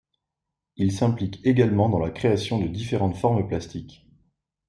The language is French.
Il s’implique également dans la création de différentes formes plastiques.